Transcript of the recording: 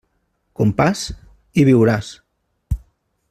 Compàs, i viuràs.